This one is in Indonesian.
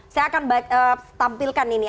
saya akan tampilkan ini